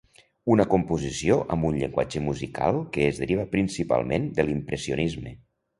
Una composició amb un llenguatge musical que es deriva principalment de l'impressionisme.